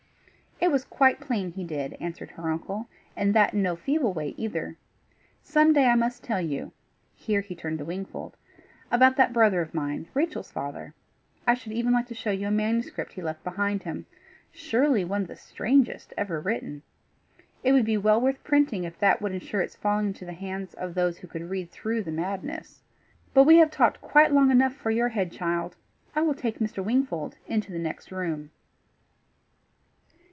"It was quite plain he did," answered her uncle, "and that in no feeble way either. Some day I must tell you," here he turned to Wingfold "about that brother of mine, Rachel's father. I should even like to show you a manuscript he left behind him surely one of the strangest ever written! It would be well worth printing if that would ensure its falling into the hands of those who could read through the madness. But we have talked quite long enough for your head, child; I will take Mr. Wingfold into the next room."